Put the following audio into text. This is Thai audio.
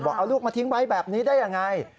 บอกเอาลูกมาทิ้งไว้แบบนี้ได้อย่างไร